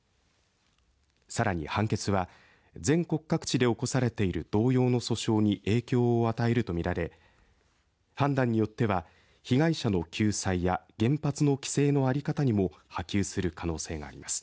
さらに判決は全国各地で起こされている同様の訴訟に影響を与えるとみられ判断によっては被害者の救済や原発の規制の在り方にも波及する可能性があります。